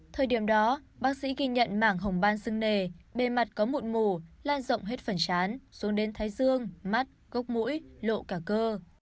thời điểm đó bác sĩ ghi nhận mảng hồng ban xương nề bề mặt có mụn mù lan rộng hết phần chán xuống đến thái dương mắt gốc mũi lộ cả cơ